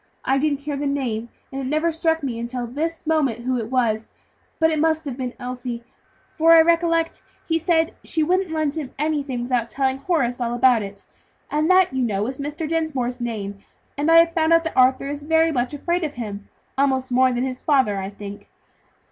I didn't hear the name, and it never struck me until this moment who it was; but it must have been Elsie, for I recollect he said she wouldn't lend him anything without telling Horace all about it, and that, you know, is Mr. Dinsmore's name; and I have found out that Arthur is very much afraid of him; almost more than of his father, I think.